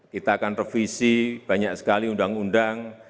kita akan revisi banyak sekali undang undang